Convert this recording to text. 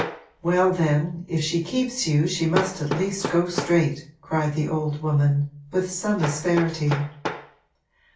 'Well, then, if she keeps you she must at least go straight!' cried the old woman, with some asperity.